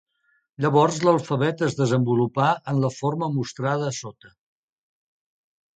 Llavors l'alfabet es desenvolupà en la forma mostrada a sota.